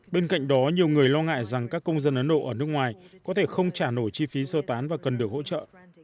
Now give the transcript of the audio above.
bên cạnh đó nhiều người lo ngại rằng các công dân ấn độ ở nước ngoài có thể không trả nổi chi phí sơ tán và cần được hỗ trợ